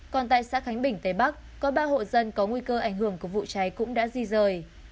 còn tại xã khánh bình tây bắc có ba hộ dân có nguy cơ ảnh hưởng của vụ cháy cũng đã di rời